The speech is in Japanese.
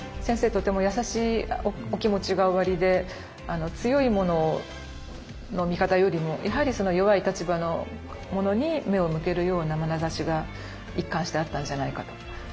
とても優しいお気持ちがおありで強い者の味方よりもやはり弱い立場の者に目を向けるような眼差しが一貫してあったんじゃないかと。